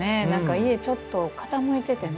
家ちょっと傾いててね。